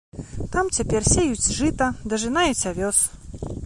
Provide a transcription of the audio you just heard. Там цяпер сеюць жыта, дажынаюць авёс.